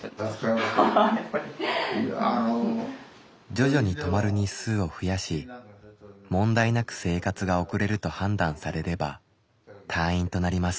徐々に泊まる日数を増やし問題なく生活が送れると判断されれば退院となります。